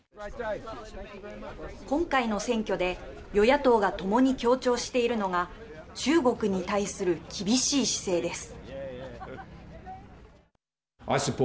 今回の選挙で与野党がともに強調しているのが中国に対する厳しい姿勢です。